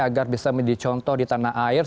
agar bisa menjadi contoh di tanah air